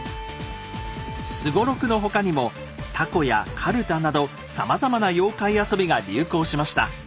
双六の他にも凧やかるたなどさまざまな妖怪遊びが流行しました。